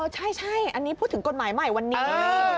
ใช่อันนี้พูดถึงกฎหมายใหม่วันนี้